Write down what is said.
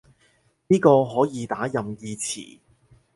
呢個可以打任意詞